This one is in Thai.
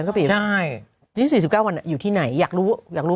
แล้วก็ไปให้นี้๔๙วันอยู่ที่ไหนอยากรู้อยากรู้